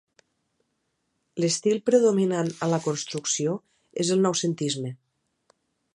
L'estil predominant a la construcció és el Noucentisme.